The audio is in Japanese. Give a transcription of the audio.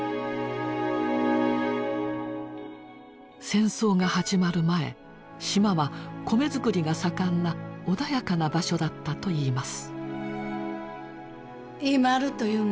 戦争が始まる前島は米作りが盛んな穏やかな場所だったといいます。